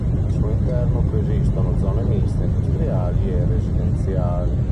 Al suo interno coesistono zone miste industriali e residenziali.